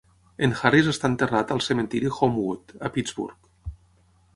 En Harris està enterrat al cementiri Homewood, a Pittsburgh.